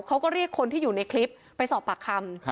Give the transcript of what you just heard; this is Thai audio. เขาก็เรียกคนที่อยู่ในคลิปไปสอบปากคำ